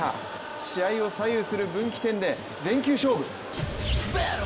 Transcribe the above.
試合を左右する分岐点で全球勝負。